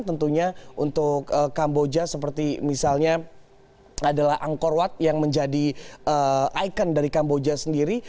tentunya untuk kamboja seperti misalnya adalah angkor wat yang menjadi ikon dari kamboja sendiri